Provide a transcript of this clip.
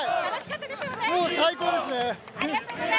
もう最高ですね！